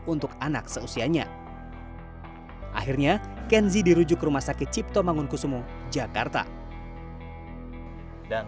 untuk anak seusianya akhirnya kenzi dirujuk ke rumah sakit cipto mangunkusumo jakarta dan